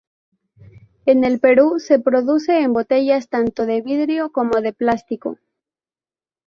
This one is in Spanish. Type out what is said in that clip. En el Perú, se produce en botellas tanto de vidrio como de plástico.